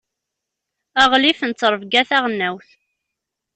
Aγlif n ttṛebga taγelnawt.